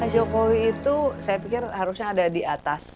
pak jokowi itu saya pikir harusnya ada di atas